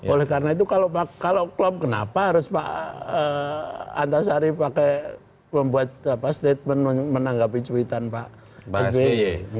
oleh karena itu kalau klop kenapa harus pak antasari pakai membuat statement menanggapi cuitan pak sby